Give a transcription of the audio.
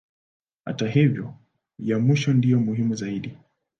Hata hivyo ya mwisho ndiyo muhimu zaidi.